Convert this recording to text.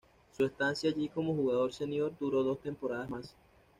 Su estancia allí como jugador senior duró dos temporadas más.